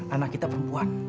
anak kita perempuan